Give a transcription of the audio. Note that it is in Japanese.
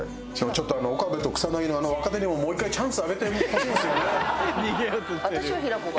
ちょっと岡部と草薙のあの若手にももう１回チャンスをあげてほしいんですよね。